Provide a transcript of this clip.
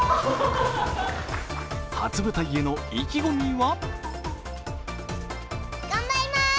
初舞台への意気込みは？